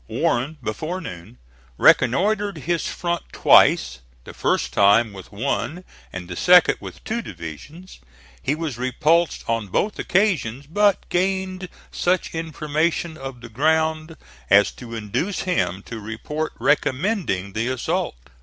Warren, before noon, reconnoitred his front twice, the first time with one and the second with two divisions. He was repulsed on both occasions, but gained such information of the ground as to induce him to report recommending the assault.